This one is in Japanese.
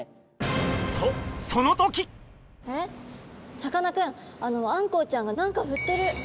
さかなクンあんこうちゃんが何かふってる！